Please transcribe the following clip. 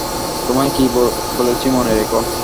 তোমায় কী বলেছি মনে রেখো।